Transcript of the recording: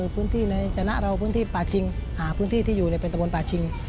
พื้นที่ในชนะเราพื้นที่ป่าชิงหาพื้นที่ที่อยู่ในเป็นตะบนป่าชิง